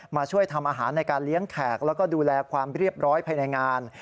มาช่วยทำอาหารในการเลี้ยงแขกแล้วก็ดูแลความเรียบร้อยภายในงาน